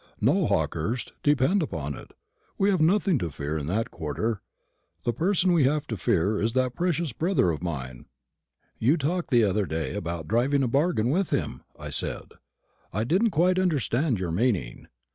No, Hawkehurst, depend upon it, we've nothing to fear in that quarter. The person we have to fear is that precious brother of mine." "You talked the other day about driving a bargain with him," I said; "I didn't quite understand your meaning.